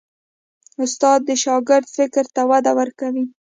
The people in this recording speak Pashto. استاد د شاګرد فکر ته وده ورکوي.